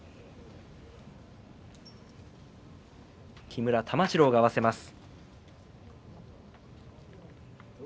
木村玉治郎が合わせます。